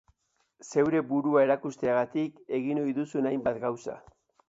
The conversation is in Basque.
Zeure burua erakusteagatik egin ohi duzun hainbat gauza.